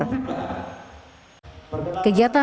kegiatan tersebut diperlukan oleh baktikominfo